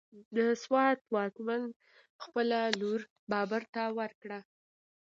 د سوات واکمن خپله لور بابر ته ورکړه،